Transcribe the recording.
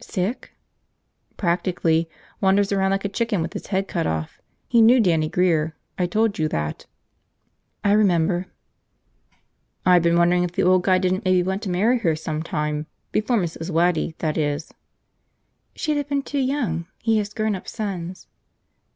"Sick?" "Practically. Wanders around like a chicken with its head cut off. He knew Dannie Grear, I told you that." "I remember." "I've been wondering if the old guy didn't maybe want to marry her sometime. Before Mrs. Waddy, that is." "She'd have been too young. He has grown up sons."